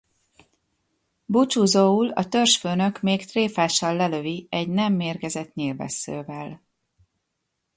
Búcsúzóul a törzsfőnök még tréfásan lelövi egy nem mérgezett nyílvesszővel.